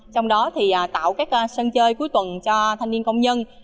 trong đó thì tạo các sân chơi cuối tuần cho thanh niên công nhân